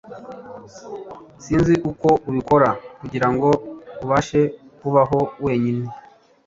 zinz uku ubikora kugira ngo ubashe kubaho wenyine